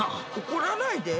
怒らないで。